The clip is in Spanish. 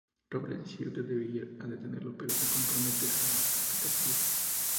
Robles decide que deben ir a detenerlo pero se compromete a respetar su vida.